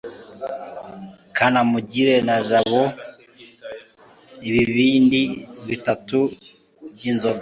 kanamugire na jabo banyoye ibibindi bitatu byinzoga